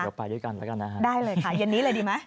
แปปไปด้วยกันละกันนะฮะได้เลยค่ะหรืออย่างนี้เลยดีไหม